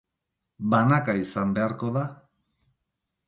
Banaka izan beharko da.